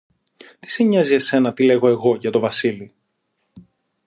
Τι σε νοιάζει εσένα τι λέγω εγώ για τον Βασίλη;